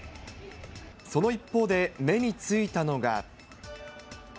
その一方で、目についたのが。